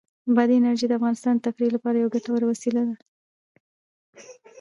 بادي انرژي د افغانانو د تفریح لپاره یوه ګټوره وسیله ده.